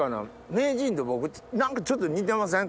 名人と僕何かちょっと似てません？